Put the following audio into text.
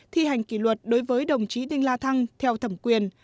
thi hành kỷ luật đối với đồng chí đinh la thăng theo thẩm quyền